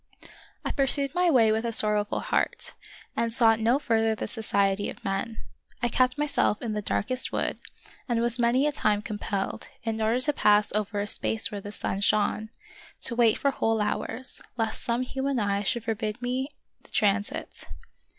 I pursued my way with a sorrowful heart, and sought no further the society of men. I kept myself in the darkest wood, and was many a time compelled, in order to pass over a space where the sun shone, to wait for whole hours, lest some human eye should forbid me the tran sit.